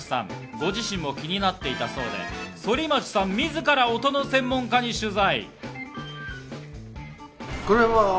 ご自身も気になっていたそうで、反町さん自ら音の専門家に取材。